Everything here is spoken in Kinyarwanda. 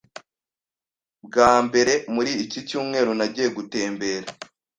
Bwa mbere muri iki cyumweru, nagiye gutembera.